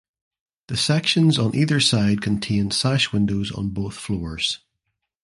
The sections on either side contained sash windows on both floors.